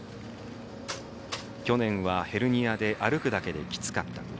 去年はヘルニアで歩くだけできつかった。